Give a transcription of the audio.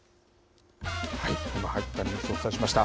今入ったニュースをお伝えしました。